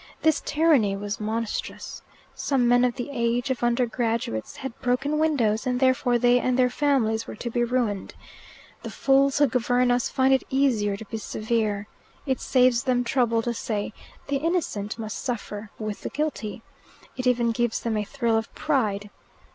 This tyranny was monstrous. Some men of the age of undergraduates had broken windows, and therefore they and their families were to be ruined. The fools who govern us find it easier to be severe. It saves them trouble to say, "The innocent must suffer with the guilty." It even gives them a thrill of pride.